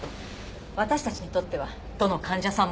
私たちにとってはどの患者さんも。